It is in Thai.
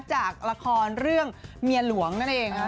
จากละครเรื่องเมียหลวงนั่นเองค่ะ